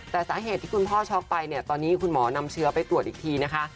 แต่สาเหตุที่คุณพ่อช็อกไปเนี่ยตอนนี้คุณหมอนำเชื้อไปตรวจอีกทีนะคะ